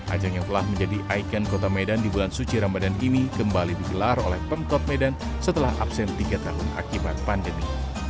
ajang yang telah menjadi ikon kota medan di bulan suci ramadan ini kembali digelar oleh pemkot medan setelah absen tiga tahun akibat pandemi